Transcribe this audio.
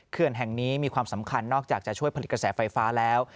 แห่งนี้มีความสำคัญนอกจากจะช่วยผลิตกระแสไฟฟ้าแล้ว